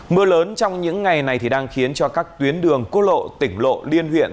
mưa lớn trong những ngày này thì đang khiến cho các tuyến đường quốc lộ tỉnh lộ liên huyện